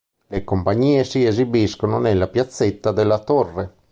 Le compagnie si esibiscono nella piazzetta della "Torre".